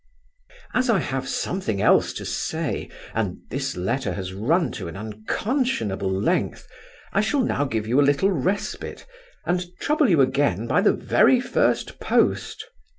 As I have something else to say; and this letter has run to an unconscionable length, I shall now give you a little respite, and trouble you again by the very first post.